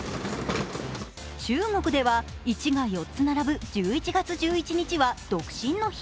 中国では１が４つ並ぶ１１月１１日は独身の日。